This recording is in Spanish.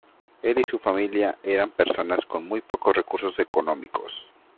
Él y su familia eran personas con muy pocos recursos económicos.